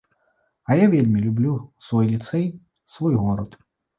А я вельмі люблю свой ліцэй, свой горад.